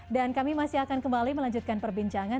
dan kami masih akan kembali melanjutkan perbincangan